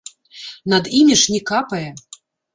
Над імі ж не капае.